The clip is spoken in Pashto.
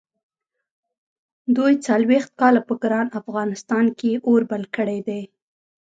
دوی څلوېښت کاله په ګران افغانستان کې اور بل کړی دی.